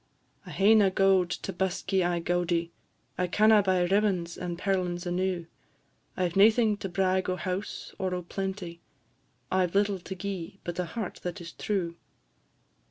"I hae na gowd to busk ye aye gaudie; I canna buy ribbons and perlins enew; I 've naething to brag o' house, or o' plenty, I 've little to gi'e, but a heart that is true.